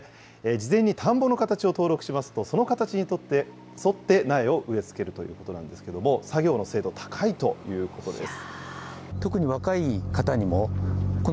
事前に田んぼの形を登録しますと、その形に沿って苗を植え付けるということなんですけれども、作業の精度、高いということです。